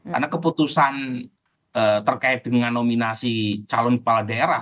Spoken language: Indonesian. karena keputusan terkait dengan nominasi calon kepala daerah